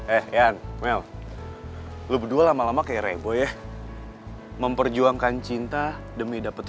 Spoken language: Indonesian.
eh yan mel lu berdua lama lama kayak reboy ya memperjuangkan cinta demi dapet